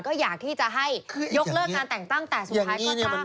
ก็อยากที่จะให้ยกเลิกงานแต่งตั้งแต่สุดท้ายก็สร้าง